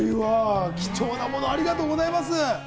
貴重なもの、ありがとうございます。